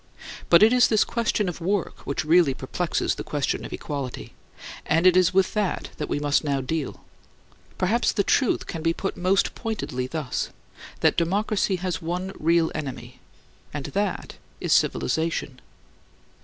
But it is this question of work which really perplexes the question of equality; and it is with that that we must now deal. Perhaps the truth can be put most pointedly thus: that democracy has one real enemy, and that is civilization.